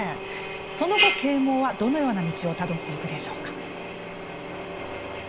その後啓蒙はどのような道をたどっていくでしょうか。